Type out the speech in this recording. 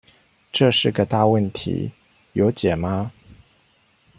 這是個大問題，有解嗎？